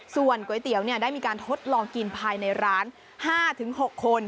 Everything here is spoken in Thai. ส่วนก๋วยเตี๋ยวได้มีการทดลองกินภายในร้าน๕๖คน